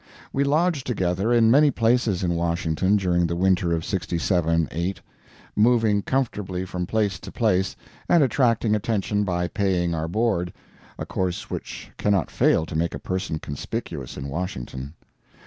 We lodged together in many places in Washington during the winter of '67 8, moving comfortably from place to place, and attracting attention by paying our board a course which cannot fail to make a person conspicuous in Washington.